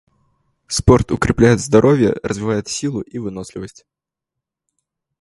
Спорт укрепляет здоровье, развивает силу и выносливость.